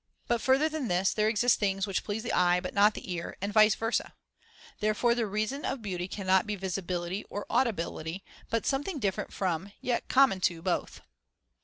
But further than this, there exist things which please the eye, but not the ear, and vice versa; therefore the reason of beauty cannot be visibility or audibility, but something different from, yet common to both.